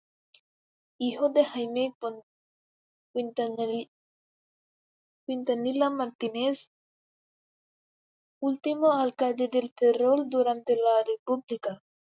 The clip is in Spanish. Hijo de Jaime Quintanilla Martínez, último alcalde de Ferrol durante la República.